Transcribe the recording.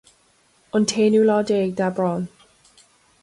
An t-aonú lá déag d'Aibreán.